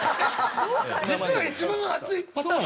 実は一番熱いパターン？